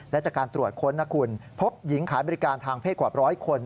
และจากการตรวจค้นนะคุณพบหญิงขายบริการทางเพศกว่าร้อยคน